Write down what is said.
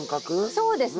そうです！